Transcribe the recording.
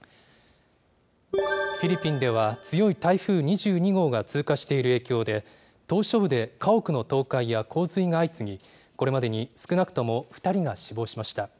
フィリピンでは、強い台風２２号が通過している影響で、島しょ部で家屋の倒壊や洪水が相次ぎ、これまでに少なくとも２人が死亡しました。